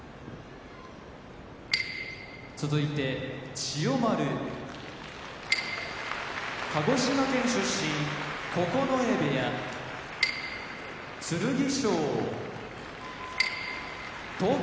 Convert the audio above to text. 千代丸鹿児島県出身九重部屋剣翔東京都出身